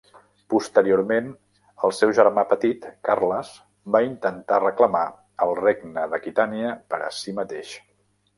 Posteriorment, el seu germà petit Carles, va intentar reclamar el regne d'Aquitània per a si mateix.